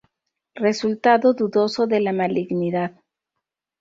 Resultado dudoso de malignidad.